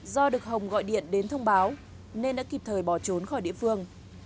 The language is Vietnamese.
do được hồng gọi điện đến thông báo nên đã kịp thời bỏ trốn khỏi địa phương